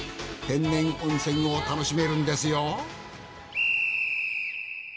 天然温泉を楽しめるんですよ。